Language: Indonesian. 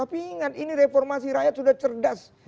tapi ingat ini reformasi rakyat sudah cerdas